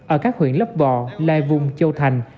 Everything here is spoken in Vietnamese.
ở các huyện lấp bò lai vung châu thành